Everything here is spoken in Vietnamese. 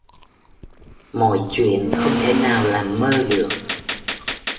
Mọi chuyện không thể nào là mơ được